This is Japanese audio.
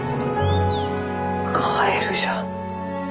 カエルじゃ。